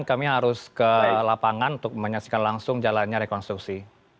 kami harus ke lapangan untuk menyaksikan langsung jalannya rekonstruksi